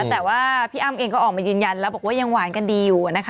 แต่ว่าพี่อ้ำเองก็ออกมายืนยันแล้วบอกว่ายังหวานกันดีอยู่นะคะ